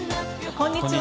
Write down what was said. こんにちは。